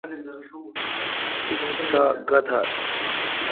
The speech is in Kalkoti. تی می تاء گہ تال ۔